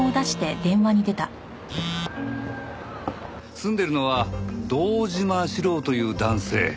住んでいるのは堂島志郎という男性。